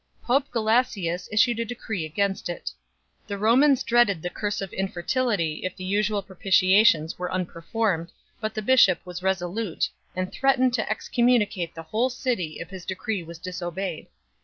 Pope Gelasius issued a decree 3 against it. The Romans dreaded the curse of infertility if the usual propitiations were unperformed, but the bishop was resolute, and threatened to excommunicate the whole city if his decree was disobeyed.